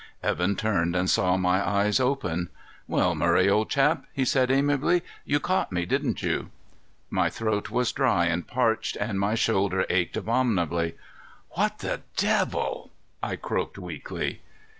Evan turned and saw my eyes open. "Well, Murray, old top," he said amiably. "You caught me, didn't you?" My throat was dry and parched, and my shoulder ached abominably. "What the devil?" I croaked weakly.